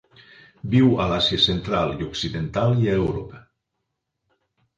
Viu a l'Àsia Central i occidental i a Europa.